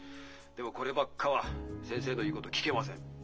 ☎でもこればっかは先生の言うこと聞けません。